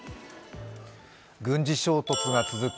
軍事衝突が続く